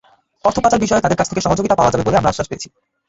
অর্থপাচার বিষয়ে তাদের কাছ থেকে সহযোগিতা পাওয়া যাবে বলে আমরা আশ্বাস পেয়েছি।